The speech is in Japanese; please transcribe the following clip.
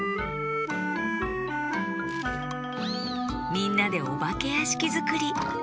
みんなでおばけやしきづくり。